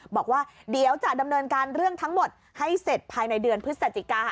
บอกว่าเดี๋ยวจะดำเนินการเรื่องทั้งหมดให้เสร็จภายในเดือนพฤศจิกา